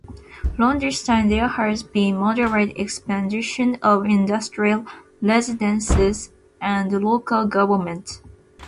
From this time there has been moderate expansion of industry, residences, and local government.